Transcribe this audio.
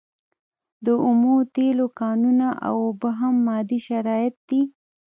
د اومو تیلو کانونه او اوبه هم مادي شرایط دي.